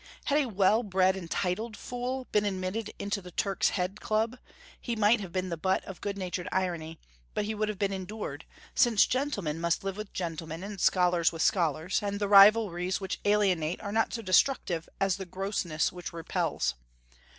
Had a well bred and titled fool been admitted into the Turk's Head Club, he might have been the butt of good natured irony; but he would have been endured, since gentlemen must live with gentlemen and scholars with scholars, and the rivalries which alienate are not so destructive as the grossness which repels.